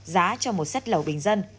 giá cho một set lầu bình dân